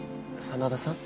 真田さん！